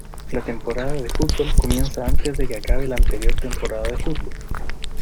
La temporada de fútbol comienza antes de que acabe la anterior temporada de fútbol.